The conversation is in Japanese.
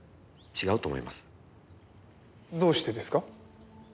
どうしてですか？